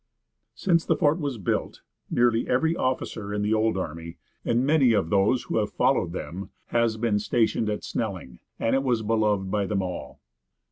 Since the fort was built nearly every officer in the old army, and many of those who have followed them, has been stationed at Snelling, and it was beloved by them all.